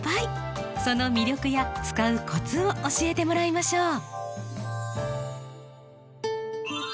その魅力や使うコツを教えてもらいましょう。